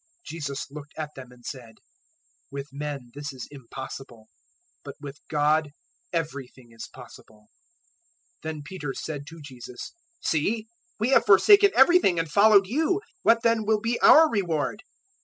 019:026 Jesus looked at them and said, "With men this is impossible, but with God everything is possible." 019:027 Then Peter said to Jesus, "See, *we* have forsaken everything and followed you; what then will be *our* reward?"